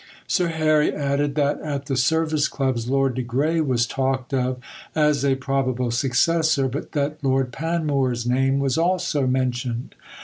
Sir Harry added that at the Service Clubs, Lord de Grey was talked of as a probable successor, but that Lord Panmure's name was also mentioned.